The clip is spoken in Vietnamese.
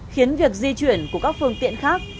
khiến việc di chuyển của các phương tiện khác